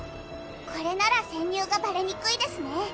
これなら潜入がバレにくいですね。